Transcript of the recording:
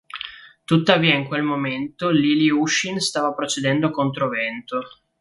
Tuttavia in quel momento l'Ilyushin stava procedendo controvento.